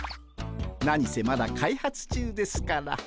何せまだ開発中ですから。